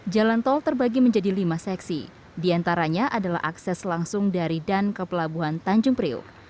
jalan tol terbagi menjadi lima seksi diantaranya adalah akses langsung dari dan ke pelabuhan tanjung priok